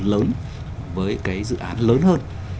lớn với cái dự án lớn hơn